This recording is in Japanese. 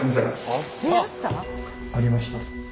ありました。